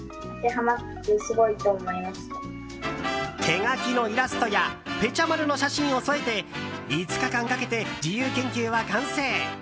手書きのイラストやぺちゃ丸の写真を添えて５日間かけて自由研究は完成。